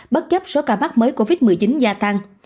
bất chấp số ca mắc mới covid một mươi chín gia tăng